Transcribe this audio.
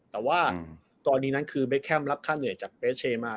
แต่ว่าตอนนี้นั้นคือเบคแคมรับค่าเหนื่อยจากเบสเชมา